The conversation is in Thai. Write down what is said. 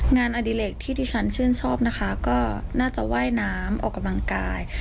อดิเล็กที่ที่ฉันชื่นชอบนะคะก็น่าจะว่ายน้ำออกกำลังกาย